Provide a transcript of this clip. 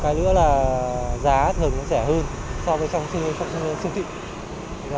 cái nữa là giá thường sẽ hơn so với trong xung tịnh